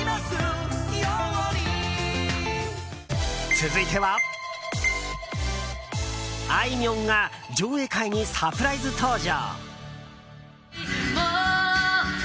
続いては、あいみょんが上映会にサプライズ登場。